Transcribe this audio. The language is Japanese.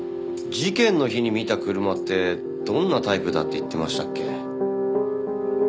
事件の日に見た車ってどんなタイプだって言ってましたっけ？